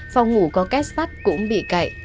phòng ngủ có két sắt cũng bị cậy